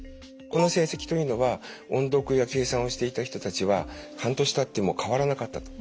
この成績というのは音読や計算をしていた人たちは半年たっても変わらなかったと。